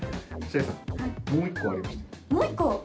もう１個？